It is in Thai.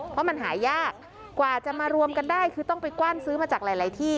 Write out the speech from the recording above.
เพราะมันหายากกว่าจะมารวมกันได้คือต้องไปกว้านซื้อมาจากหลายที่